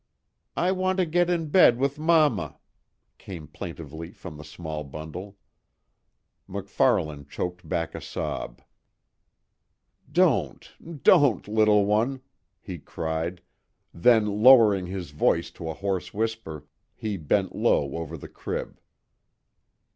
"I want to get in bed with mamma," came plaintively from the small bundle. MacFarlane choked back a sob: "Don't, don't! little one," he cried, then lowering his voice to a hoarse whisper, he bent low over the crib.